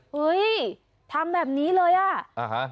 เฮ้ยทำแบบนี้เลยอะ